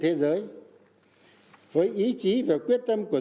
thế giới với ý chí và quyết tâm của